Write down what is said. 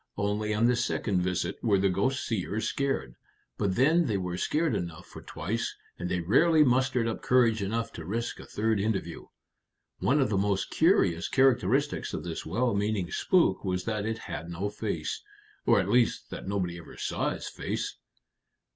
Only on the second visit were the ghost seers scared; but then they were scared enough for twice, and they rarely mustered up courage enough to risk a third interview. One of the most curious characteristics of this well meaning spook was that it had no face or at least that nobody ever saw its face."